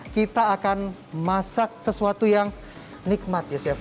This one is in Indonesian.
kita akan masak sesuatu yang nikmat ya chef